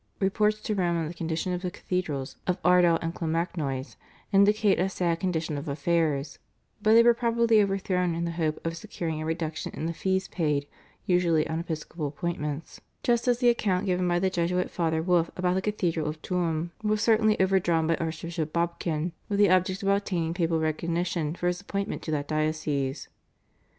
Reports to Rome on the condition of the cathedrals of Ardagh and Clonmacnoise indicate a sad condition of affairs, but they were probably overdrawn in the hope of securing a reduction in the fees paid usually on episcopal appointments, just as the account given by the Jesuit Father Wolf about the cathedral of Tuam was certainly overdrawn by Archbishop Bodkin with the object of obtaining papal recognition for his appointment to that diocese.